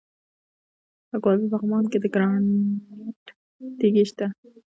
د کابل په پغمان کې د ګرانیټ تیږې شته.